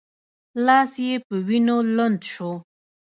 لاس یې په وینو لند شو.